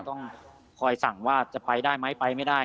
ต้องคอยสั่งว่าจะไปได้ไหมไปไม่ได้